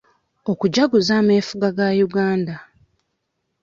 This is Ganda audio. Okujaguza ameefuga ga Uganda